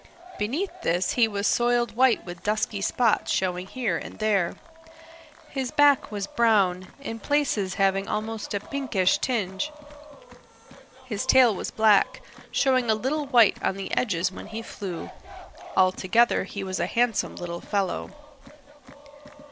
Beneath this he was soiled white with dusky spots showing here and there. His back was brown, in places having almost a pinkish tinge. His tail was black, showing a little white on the edges when he flew. All together he was a handsome little fellow.